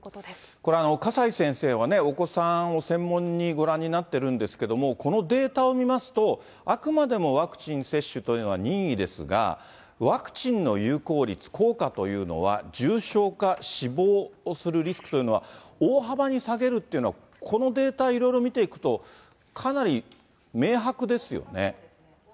これ、笠井先生はね、お子さんを専門にご覧になってるんですけども、このデータを見ますと、あくまでもワクチン接種というのは任意ですが、ワクチンの有効率、効果というのは重症化、死亡するリスクというのは、大幅に下げるっていうのは、このデータ、いろいろ見ていくと、かなり明白ですよね。